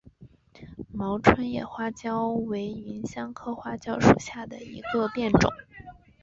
毛椿叶花椒为芸香科花椒属下的一个变种。